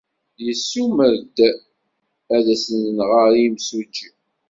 Yessumer-d ad as-nɣer i yemsujji.